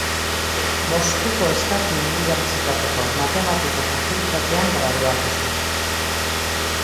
Moskuko Estatu Unibertsitateko Matematika Fakultatean graduatu zen.